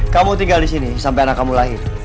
kamu tinggal disini sampe anak kamu lahir